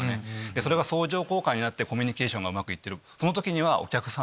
それが相乗効果になってコミュニケーションがうまく行ってる。